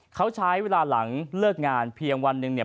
เขาใช้เวลาหลังเลิกงานเพียงวันหนึ่งเนี่ย